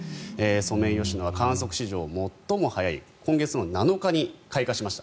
ソメイヨシノは観測史上最も早い今月の７日に開花しました。